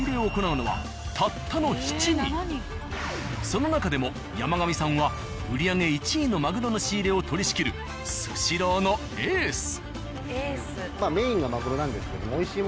その中でも山上さんは売り上げ１位のマグロの仕入れを取りしきる「スシロー」のエース。